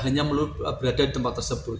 hanya berada di tempat tersebut